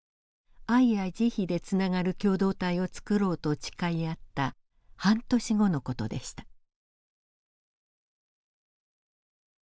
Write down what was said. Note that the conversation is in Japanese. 愛や慈悲でつながる共同体を作ろうと誓い合った半年後の事でした。